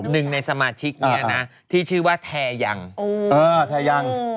หนึ่งในสมาชิกเนี่ยนะที่ชื่อว่าแทยังแทยัง